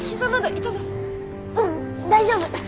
大丈夫？